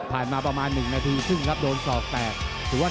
ผ่านมาประมาณหนึ่งนาทีซึ่งครับโดนสอกแตกสิ่งว่าอันตรายครับ